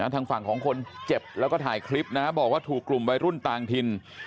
ทางฝั่งของคนเจ็บแล้วก็ถ่ายคลิปนะบอกว่าถูกกลุ่มวัยรุ่นต่างถิ่น